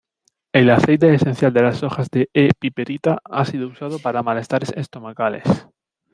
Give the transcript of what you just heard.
El aceite esencial de las hojas de "E.piperita" ha sido usado para malestares estomacales.